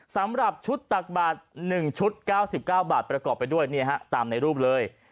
สำหรับชุดตักบาท๑ชุด๙๙บาทประกอบไปด้วยตามในรูปเลย